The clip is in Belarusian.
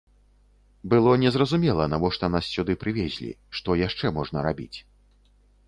Было незразумела, навошта нас сюды прывезлі, што яшчэ можна рабіць.